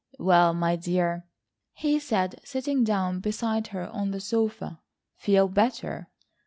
"Well, my dear," he said sitting down beside her on the sofa, "feel better?